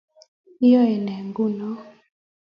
iyoe nee ngunoo?